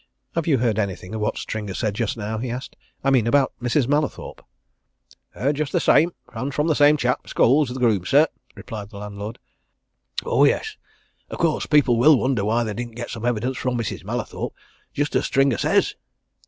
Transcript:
"Have you heard anything of what Stringer said just now?" he asked. "I mean about Mrs. Mallathorpe?" "Heard just the same and from the same chap, Scholes, the groom, sir," replied the landlord. "Oh, yes! Of course, people will wonder why they didn't get some evidence from Mrs. Mallathorpe just as Stringer says."